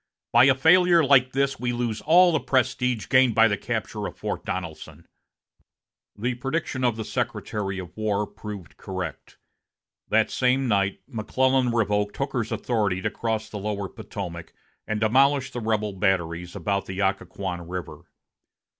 By a failure like this we lose all the prestige gained by the capture of Fort Donelson." The prediction of the Secretary of War proved correct. That same night, McClellan revoked Hooker's authority to cross the lower Potomac and demolish the rebel batteries about the Occoquan River.